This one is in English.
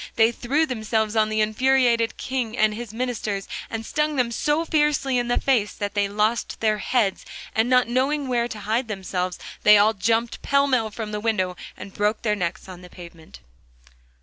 They threw themselves on the infuriated King and his ministers, and stung them so fiercely in the face that they lost their heads, and not knowing where to hide themselves they all jumped pell mell from the window and broke their necks on the pavement.